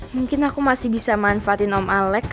mungkin aku masih bisa manfaatin om alex